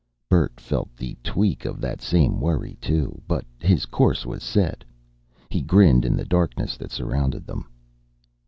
Bert felt the tweak of that same worry, too, but his course was set. He grinned in the darkness that surrounded them.